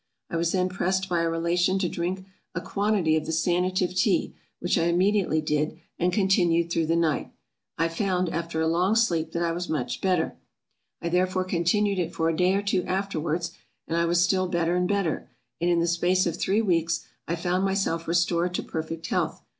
I was then pressed by a relation to drink a quantity of the Sanative Tea, which I immediately did, and continued thro' the night; I found, after a long sleep, that I was much better: I therefore continued it for a day or two afterwards, and I was still better and better; and in the space of three weeks, I found myself restored to perfect health.